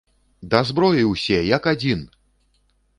Да зброі ўсе, як адзін!